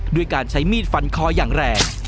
ด้วยการใช้มีดฟันคออย่างแรง